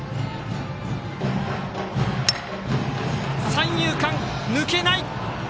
三遊間、抜けない！